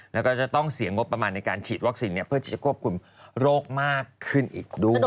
แล้วก็จะต้องเสียงบประมาณในการฉีดวัคซีนเพื่อที่จะควบคุมโรคมากขึ้นอีกด้วย